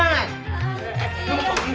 nj nj sekarang